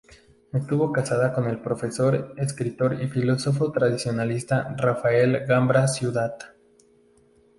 Estuvo casada con el profesor, escritor y filósofo tradicionalista Rafael Gambra Ciudad.